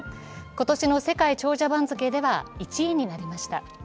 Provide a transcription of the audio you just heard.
今年の世界長者番付では１位になりました。